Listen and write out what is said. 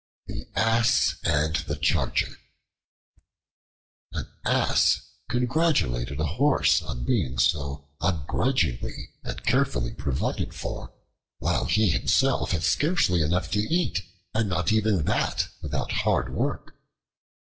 The Ass and the Charger AN ASS congratulated a Horse on being so ungrudgingly and carefully provided for, while he himself had scarcely enough to eat and not even that without hard work.